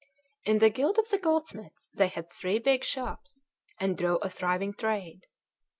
In the guild of the goldsmiths they had three big shops, and drove a thriving trade.